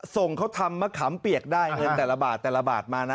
ส่งเขาทำมะขามเปียกได้เงินแต่ละบาทแต่ละบาทมานะ